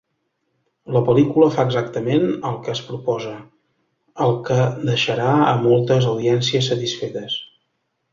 La pel·lícula fa exactament el que es proposa, el que deixarà a moltes audiències satisfetes.